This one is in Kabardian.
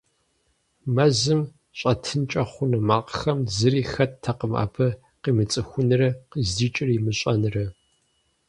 Мэзым щӏэтынкӏэ хъуну макъхэм зыри хэттэкъым абы къимыцӏыхунрэ къыздикӏыр имыщӏэнрэ.